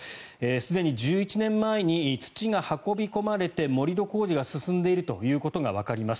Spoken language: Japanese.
すでに１１年前に土が運び込まれて盛り土工事が進んでいるということがわかります。